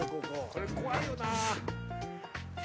これ怖いよなぁ。